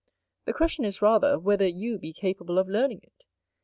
The question is rather, whether you be capable of learning it?